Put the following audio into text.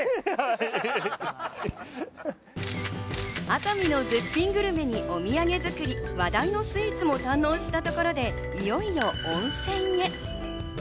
熱海の絶品グルメに、お土産作り、話題のスイーツも堪能したところで、いよいよ温泉へ。